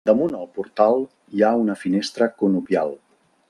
Damunt el portal hi ha una finestra conopial.